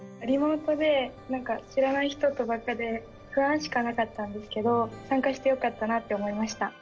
リモートで知らない人とばっかで不安しかなかったんですけど参加してよかったなって思いました。